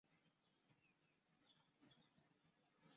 死因一说是藤堂高虎向秀吉献策而被迫自刃于粉河。